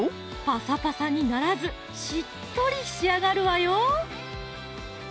パサパサにならずしっとり仕上がるわよ